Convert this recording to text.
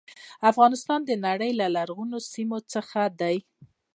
افغانستان د نړی د لرغونو سیمو څخه دی.